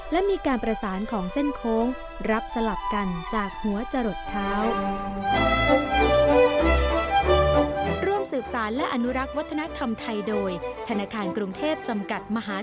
และมีการประสานของเส้นโค้งรับสลับกันจากหัวจะหลดเท้า